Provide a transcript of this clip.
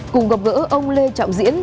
cùng gặp gỡ ông lê trọng diễn